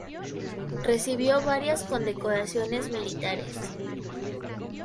Recibió varias condecoraciones militares.